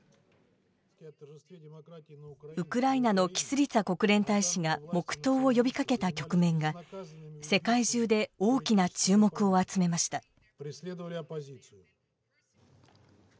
ウクライナのキスリツァ国連大使が黙とうを呼びかけた局面が世界中で大きな注目を集めました。